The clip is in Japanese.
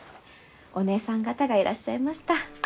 お姐さん方がいらっしゃいました。